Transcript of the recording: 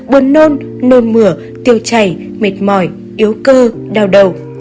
buồn nôn nồi mửa tiêu chảy mệt mỏi yếu cơ đau đầu